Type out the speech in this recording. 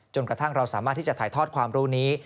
กระทั่งเราสามารถที่จะถ่ายทอดความรู้นี้